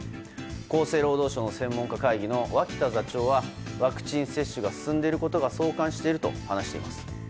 厚生労働省の専門家会議の脇田座長はワクチン接種が進んでいることが相関していると話しています。